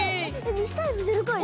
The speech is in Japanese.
ミスタイプ０かいだよ。